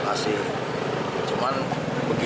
yang saya tahu dari teman teman di lokasi